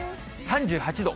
３８度。